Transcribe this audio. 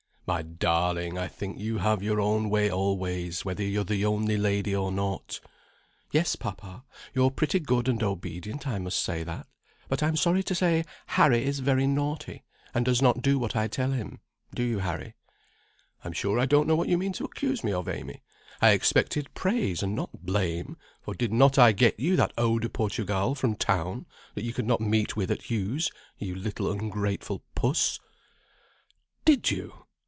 "My darling, I think you have your own way always, whether you're the only lady or not." "Yes, papa, you're pretty good and obedient, I must say that; but I'm sorry to say Harry is very naughty, and does not do what I tell him; do you, Harry?" "I'm sure I don't know what you mean to accuse me of, Amy; I expected praise and not blame; for did not I get you that eau de Portugal from town, that you could not meet with at Hughes', you little ungrateful puss?" "Did you!